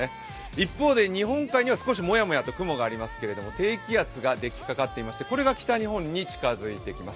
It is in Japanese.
一方で、日本海には少しモヤモヤと雲がありますけれども低気圧ができかかっていまして、これが北日本に近づいていきます。